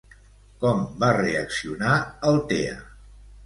Com va reaccionar Altea?